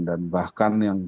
dan bahkan yang sangat